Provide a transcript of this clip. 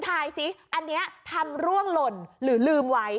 สิอันนี้ทำร่วงหล่นหรือลืมไว้